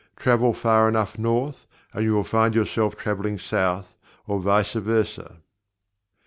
Travel far enough North, and you will find yourself traveling South, or vice versa.